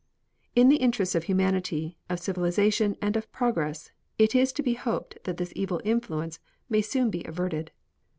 In the interests of humanity, of civilization, and of progress, it is to be hoped that this evil influence may be soon averted.